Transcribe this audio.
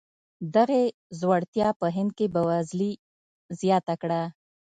دغې ځوړتیا په هند کې بېوزلي زیاته کړه.